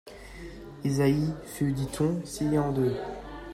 Isaïe fut, dit-on, scié en deux.